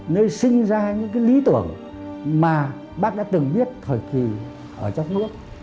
nơi sinh ra những cái lý tưởng mà bác đã từng biết thời kỳ ở trong nước